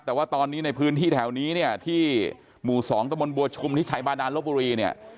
แต่ว่าตอนนี้ในพื้นที่แถวนี้เนี่ยที่หมู่๒ตะบนบัวชุมที่ชัยบาดานลบบุรีเนี่ย